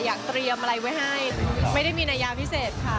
อยากเตรียมอะไรไว้ให้ไม่ได้มีนัยาพิเศษค่ะ